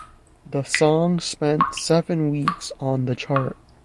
The song spent seven weeks on the chart.